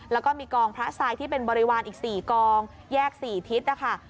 แล้วก็มีกองพระทรายที่เป็นบริวารอีก๔กองแยก๔ทิศนะคะ